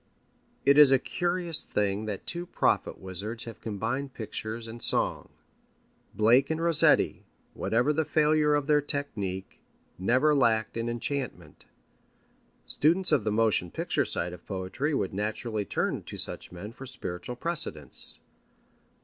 It is a curious thing that two prophet wizards have combined pictures and song. Blake and Rossetti, whatever the failure of their technique, never lacked in enchantment. Students of the motion picture side of poetry would naturally turn to such men for spiritual precedents.